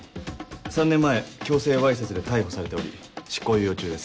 ３年前強制わいせつで逮捕されており執行猶予中です。